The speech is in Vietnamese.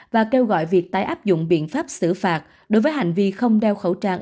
và kêu gọi việc tái áp dụng biện pháp xử phạt đối với hành vi không đeo khẩu trang